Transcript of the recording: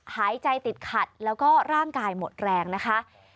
หายใจติดขัดแล้วก็ร่างกายหมดแรงนะคะ